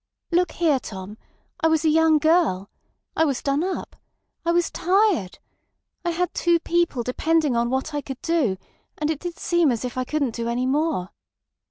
"Look here, Tom! I was a young girl. I was done up. I was tired. I had two people depending on what I could do, and it did seem as if I couldn't do any more.